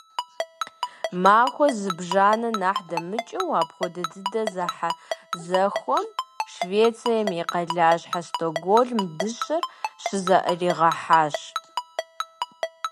Махуэ зыбжанэ нэхъ дэмыкӀыу апхуэдэ дыдэ зэхьэзэхуэм Швецием и къалащхьэ Стокгольм дыщэр щызыӀэригъэхьащ.